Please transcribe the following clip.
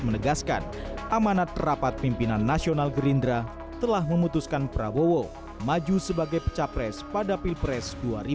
menegaskan amanat rapat pimpinan nasional gerindra telah memutuskan prabowo maju sebagai pecapres pada pilpres dua ribu dua puluh